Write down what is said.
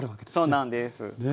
そうなんです。